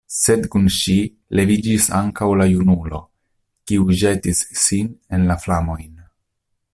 Sed kun ŝi leviĝis ankaŭ la junulo, kiu ĵetis sin en la flamojn.